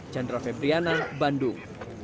jendral febriana bandung